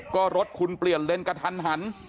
ก็รถคุณเปลี่ยนเลนกระทันหัน